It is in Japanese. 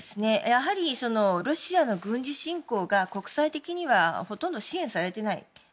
やはりロシアの軍事侵攻が国際的にはほとんど支援されていない。